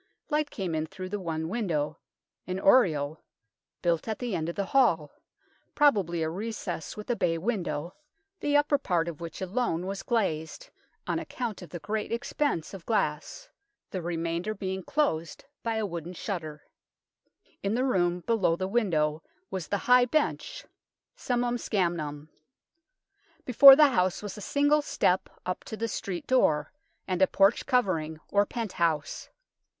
Light came in through the one window, an " oriole " built at the end of the hall probably a recess with a bay window, the upper part of which A LONDON HOUSEHOLD 243 alone was glazed, on account of the great expense of glass, the remainder being closed by a wooden shutter. In the room below the window was the high bench (summum scamnum). Before the house was a single step up to the street door, and a porch covering, or penthouse.